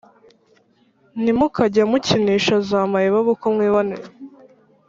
Ntimukajye mukinisha za mayibobo uko mwiboneye